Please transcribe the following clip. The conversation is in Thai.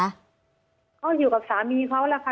เขาอยู่กับสามีเขาล่ะค่ะ